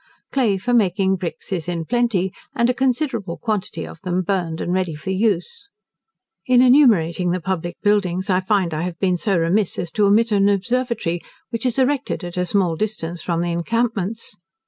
Clay for making bricks is in plenty, and a considerable quantity of them burned and ready for use. In enumerating the public buildings I find I have been so remiss as to omit an observatory, which is erected at a small distance from the encampments.